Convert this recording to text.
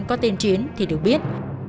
có tên chiến thì được biết